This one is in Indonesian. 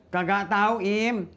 kagak tau im